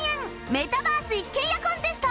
メタバース一軒家コンテスト